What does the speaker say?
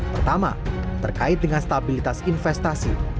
pertama terkait dengan stabilitas investasi